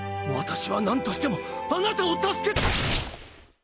私は何としてもあなたを助け。